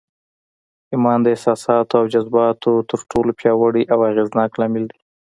ايمان د احساساتو او جذباتو تر ټولو پياوړی او اغېزناک لامل دی.